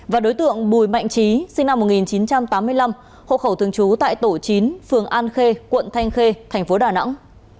và đối tượng bùi mạnh trí sinh năm một nghìn chín trăm tám mươi năm hộ khẩu thường trú tại tổ chín phường an khê quận thanh khê thành phố đà nẵng